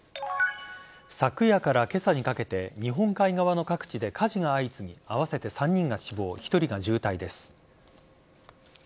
昨夜から今朝にかけて日本海側の各地で火事が相次ぎ合わせて３人が死亡１人が重体です。